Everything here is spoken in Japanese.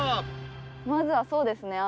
まずはそうですね。